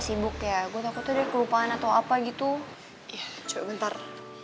sibuk ya gue takut ada kelupaan atau apa gitu ya coba bentar